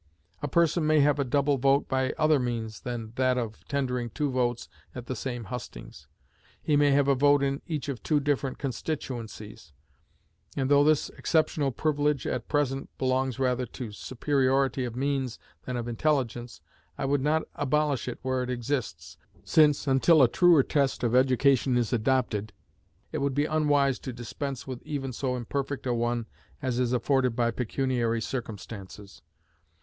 A person may have a double vote by other means than that of tendering two votes at the same hustings; he may have a vote in each of two different constituencies; and though this exceptional privilege at present belongs rather to superiority of means than of intelligence, I would not abolish it where it exists, since, until a truer test of education is adopted, it would be unwise to dispense with even so imperfect a one as is afforded by pecuniary circumstances.